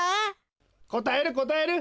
こたえるこたえる！